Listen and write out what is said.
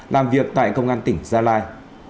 làm việc tại công an tỉnh gia lai